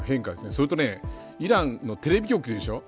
それと、イランのテレビ局でしょ